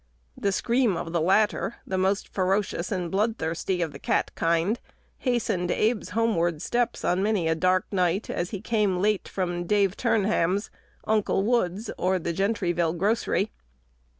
1 The scream of the latter, the most ferocious and bloodthirsty of the cat kind, hastened Abe's homeward steps on many a dark night, as he came late from Dave Turnham's, "Uncle" Wood's, or the Gentryville grocery.